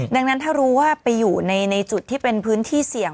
ดังนั้นถ้ารู้ว่าไปอยู่ในจุดที่เป็นพื้นที่เสี่ยง